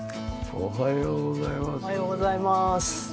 おはようございます。